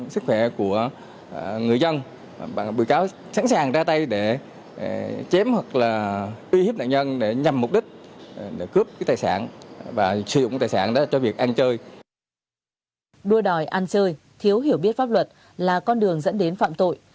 đua đòi ăn chơi thiếu hiểu biết pháp luật là con đường dẫn đến phạm tội